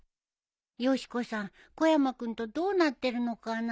よし子さん小山君とどうなってるのかな？